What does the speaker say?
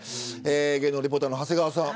芸能リポーターの長谷川さん。